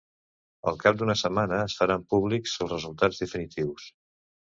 Al cap d’una setmana, es faran públics els resultats definitius.